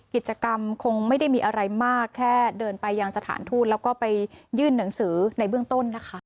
กิจกรรมคงไม่ได้มีอะไรมากแค่เดินไปยังสถานทูตแล้วก็ไปยื่นหนังสือในเบื้องต้นนะคะ